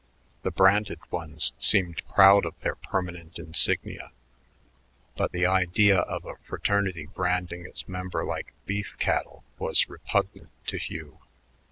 The branded ones seemed proud of their permanent insignia, but the idea of a fraternity branding its members like beef cattle was repugnant to Hugh.